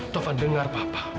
taufan dengar papa